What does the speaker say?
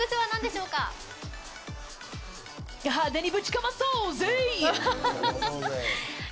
派手にぶちかまそうぜ！